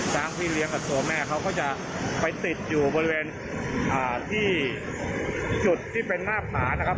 พี่เลี้ยงกับตัวแม่เขาก็จะไปติดอยู่บริเวณที่จุดที่เป็นหน้าผานะครับ